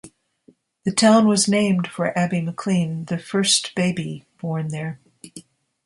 The town was named for Abby McLean, the first baby born there.